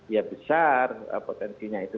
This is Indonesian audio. ya besar potensinya itu